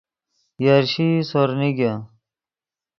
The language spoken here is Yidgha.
یرشیئی سور نیگے